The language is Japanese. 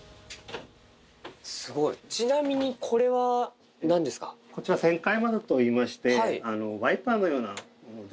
すごい、ちなみに、こちら、旋回窓といいまして、ワイパーのようなもので。